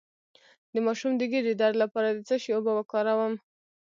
د ماشوم د ګیډې درد لپاره د څه شي اوبه وکاروم؟